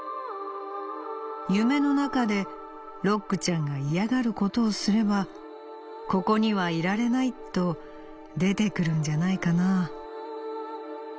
『夢の中でろっくちゃんが嫌がることをすればここにはいられないと出てくるんじゃないかな』。